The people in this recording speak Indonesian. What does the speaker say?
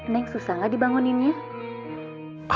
neng susah gak dibangunin ya